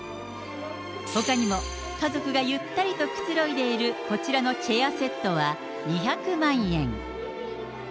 ほかにも家族がゆったりとくつろいでいるこちらのチェアセットは２００万円。